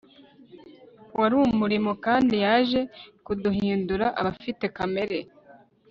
wari umurimo Kandi yaje kuduhindura abafite kamere